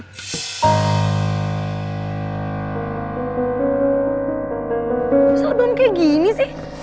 kenapa adom kayak gini sih